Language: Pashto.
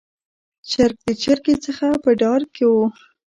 چرګ د چرګې څخه په ډار کې و.